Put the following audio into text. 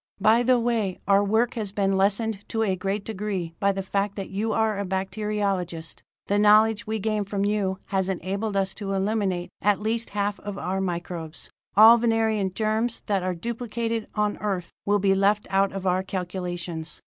"By the way, our work has been lessened to a great degree by the fact that you are a bacteriologist. The knowledge we gain from you has enabled us to eliminate at least half of our microbes. All Venerian germs that are duplicated on Earth will be left out of our calculations.